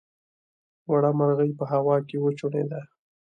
وړه مرغۍ په هوا کې وچوڼېده.